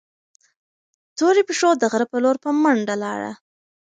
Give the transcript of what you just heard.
تورې پيشو د غره په لور په منډه لاړه.